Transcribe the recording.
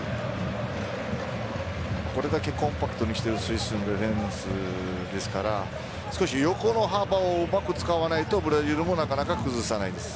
これだけコンパクトにしているスイスディフェンスですから少し横の幅をうまく使わないとブラジルもなかなか崩せないです。